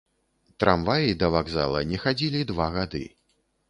Трамваі да вакзала не хадзілі два гады.